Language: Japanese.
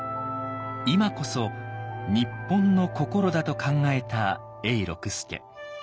今こそ「日本の心」だと考えた永六輔。